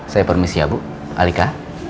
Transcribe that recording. saya permisi ya bu alika